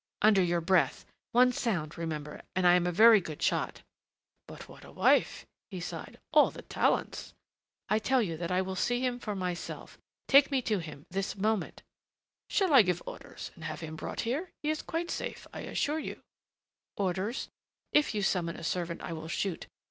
"Under your breath. One sound, remember and I am a very good shot." "But what a wife," he sighed. "All the talents " "I tell you that I will see him for myself. Take me to him, this moment " "Shall I give orders and have him brought here? He is quite safe, I assure you." "Orders? If you summon a servant I will shoot.